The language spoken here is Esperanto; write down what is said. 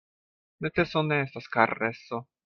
Neceso ne estas kareso.